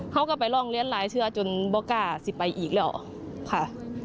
เขาก็ไปร้องเรียนหลายเชื้อจนบก้าสิไปอีกแล้วค่ะ